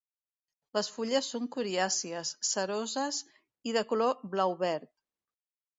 Les fulles són coriàcies, ceroses, i de color blau-verd.